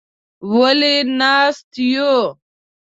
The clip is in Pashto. _ولې ناست يو؟